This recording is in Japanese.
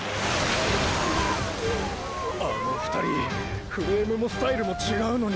あの２人フレームもスタイルも違うのに。